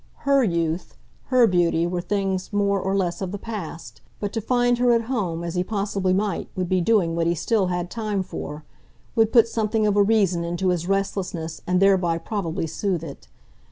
HER youth, her beauty were things more or less of the past, but to find her at home, as he possibly might, would be "doing" what he still had time for, would put something of a reason into his restlessness and thereby probably soothe it.